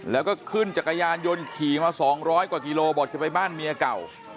แล้วก็ขึ้นจักรยานยนต์ขี่มา๒๐๐กว่ากิโลบอกจะไปบ้านเมียเก่า